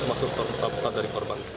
maksudnya pesawat dari korban